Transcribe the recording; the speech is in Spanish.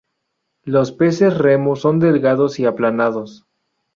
Los peces remo son delgados y aplanados.